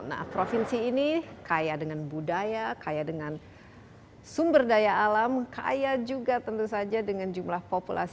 nah provinsi ini kaya dengan budaya kaya dengan sumber daya alam kaya juga tentu saja dengan jumlah populasi